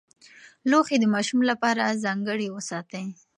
لوښي د ماشوم لپاره ځانګړي وساتئ.